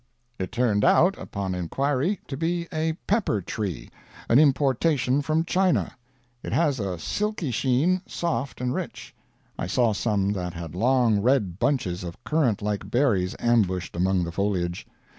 It turned out, upon inquiry, to be a pepper tree an importation from China. It has a silky sheen, soft and rich. I saw some that had long red bunches of currant like berries ambushed among the foliage.